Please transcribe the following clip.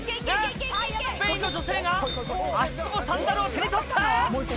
スペインの女性が足つぼサンダルを手に取った。